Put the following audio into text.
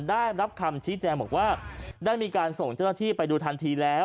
ได้รับคำชี้แจงบอกว่าได้มีการส่งเจ้าหน้าที่ไปดูทันทีแล้ว